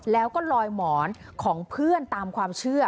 แล้วก็ลอยหมอนของเพื่อนตามความเชื่อ